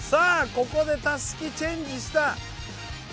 ここでたすきチェンジした。